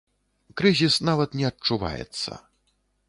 Крызіс нават не адчуваецца.